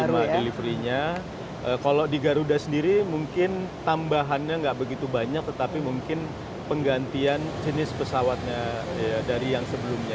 cuma delivery nya kalau di garuda sendiri mungkin tambahannya nggak begitu banyak tetapi mungkin penggantian jenis pesawatnya dari yang sebelumnya